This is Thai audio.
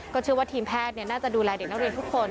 เชื่อว่าทีมแพทย์น่าจะดูแลเด็กนักเรียนทุกคน